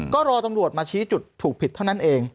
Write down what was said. ก็รอตำรวจมาชี้จุดถูกผิดเท่านั้นเอง